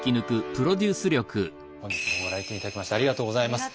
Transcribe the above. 本日もご来店頂きましてありがとうございます。